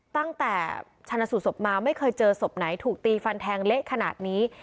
ตั้งแต่ชนะสูตรศพมาไม่เคยเจอศพไหนถูกตีฟันแทงเละขนาดนี้